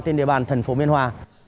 trên địa bàn tp biên hòa